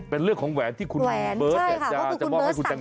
เป็นเรื่องของแหวนที่คุณเบิศสั่งเก่ามาให้คุณแตงโม